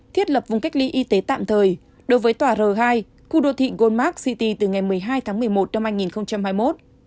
thiết lập vùng cách ly y tế tạm thời đối với tòa r hai khu đô thị goldmark city từ ngày một mươi hai tháng một mươi một năm hai nghìn hai mươi một